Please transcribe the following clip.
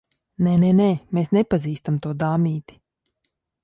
Nē, nē, nē. Mēs nepazīstam to dāmīti.